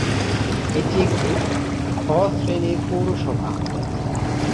এটি একটি "খ" শ্রেনীর পৌরসভা।